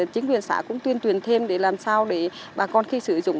chính quyền xã cũng tuyên truyền thêm để làm sao để bà con khi sử dụng